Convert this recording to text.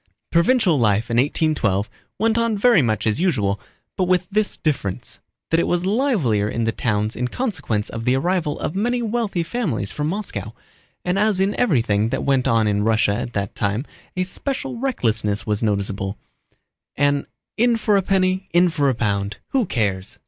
Provincial life in 1812 went on very much as usual, but with this difference, that it was livelier in the towns in consequence of the arrival of many wealthy families from Moscow, and as in everything that went on in Russia at that time a special recklessness was noticeable, an "in for a penny, in for a pound—who cares?"